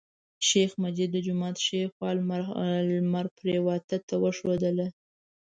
شیخ مجید د جومات ښی خوا لمر پریواته ته وښودله.